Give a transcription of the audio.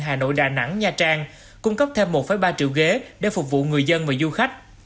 hà nội đà nẵng nha trang cung cấp thêm một ba triệu ghế để phục vụ người dân và du khách